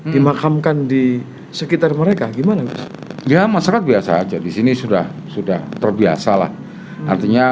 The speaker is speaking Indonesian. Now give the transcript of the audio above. dimakamkan di sekitar mereka gimana ya masyarakat biasa aja di sini sudah sudah terbiasalah artinya